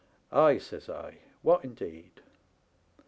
* Ay,' says I, ' what indeed